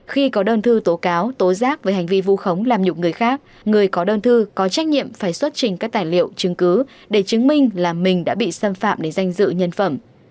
khi có đơn thư tố cáo tố giác về hành vi vu khống làm nhục người khác người có đơn thư có trách nhiệm phải xuất trình các tài liệu chứng cứ để chứng minh là mình đã bị xâm phạm để danh dự nhân phẩm